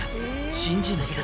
信じないか？